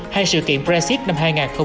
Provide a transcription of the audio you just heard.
hay sự kiện brexit năm hai nghìn một mươi sáu